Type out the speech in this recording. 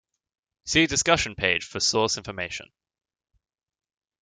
See discussion page for source information.